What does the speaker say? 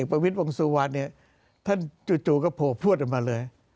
ประวิทย์วงสุวรรณเนี่ยท่านจู่ก็โผล่พวดออกมาเลย